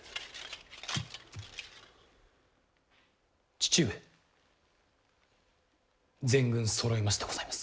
父上全軍そろいましてございます。